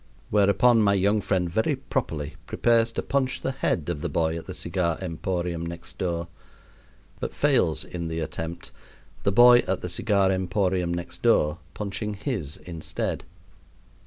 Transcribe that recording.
Whereupon my young friend very properly prepares to punch the head of the boy at the cigar emporium next door; but fails in the attempt, the boy at the cigar emporium next door punching his instead.